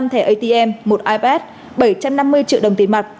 năm thẻ atm một ipad bảy trăm năm mươi triệu đồng tiền mặt